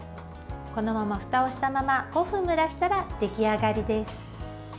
このまま、ふたをしたまま５分蒸らしたら出来上がりです。